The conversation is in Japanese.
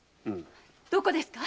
どこですか？